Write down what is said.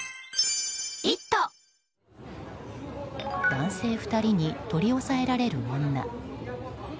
男性２人に取り押さえられる女。